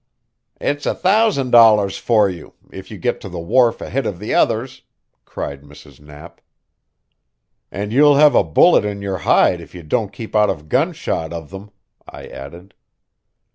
"It's a thousand dollars for you if you get to the wharf ahead of the others," cried Mrs. Knapp. "And you'll have a bullet in your hide if you don't keep out of gunshot of them," I added.